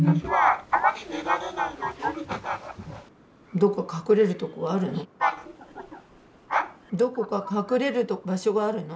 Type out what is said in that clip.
どっか隠れるとこあるの？